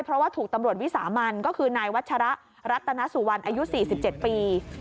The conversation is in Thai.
เพราะว่าถูกตำรวจวิสามันก็คือนายวัชระรัตนสุวรรณอายุ๔๗ปี